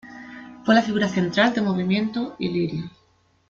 Fue la figura central del movimiento ilirio.